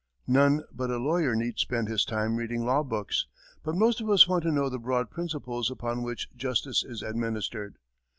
None but a lawyer need spend his time reading law books, but most of us want to know the broad principles upon which justice is administered.